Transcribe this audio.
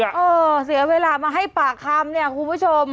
เออเสียเวลามาให้ปากคำเนี่ยคุณผู้ชม